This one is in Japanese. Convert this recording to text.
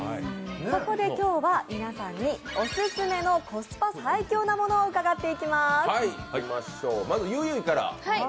そこで、今日は皆さんにオススメのコスパ最強なものを伺っていきます。